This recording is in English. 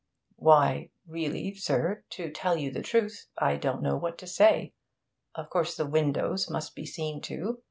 'Why really, sir, to tell you the truth I don't know what to say. Of course the windows must be seen to.